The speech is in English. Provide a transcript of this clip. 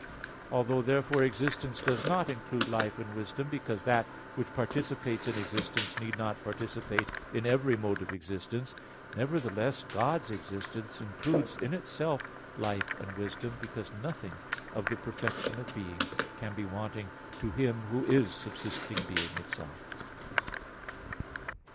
Although therefore existence does not include life and wisdom, because that which participates in existence need not participate in every mode of existence; nevertheless God's existence includes in itself life and wisdom, because nothing of the perfection of being can be wanting to Him who is subsisting being itself.